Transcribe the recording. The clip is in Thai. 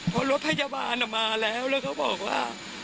เพราะรถพยาบาลมาแล้วแล้วเขาบอกว่า